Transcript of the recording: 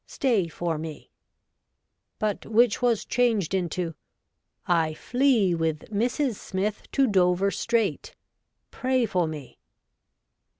Stay for me,' but which was changed into ' I flee with Mrs. Smith to Dover straight. Pray for me.'